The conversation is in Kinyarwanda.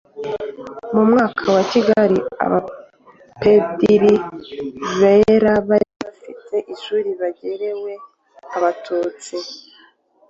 mu mwaka wa kigali, abapadiri bera bari bafite ishuli rigenewe abatutsi